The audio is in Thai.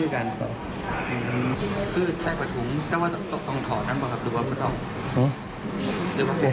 หรือว่าไม่ต้อง